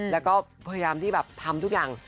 แล้วก็พยายามที่แบบทำทุกอย่าง